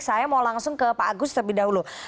saya mau langsung ke pak agus terlebih dahulu